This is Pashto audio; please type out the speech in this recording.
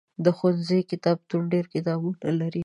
د ښوونځي کتابتون ډېر کتابونه لري.